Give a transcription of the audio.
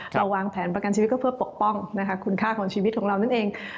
วางแผนประกันชีวิตก็เพื่อปกป้องนะคะคุณค่าของชีวิตของเรานั่นเอง